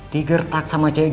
digertak sama cewek gitu aja dong